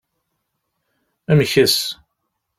Mkes.